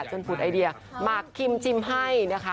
ผุดไอเดียหมากคิมชิมให้นะคะ